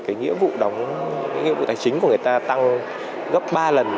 cái nghĩa vụ đóng cái nghĩa vụ tài chính của người ta tăng gấp ba lần